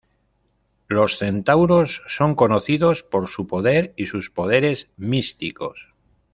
Los Centauros son conocidos por su poder y sus poderes místicos.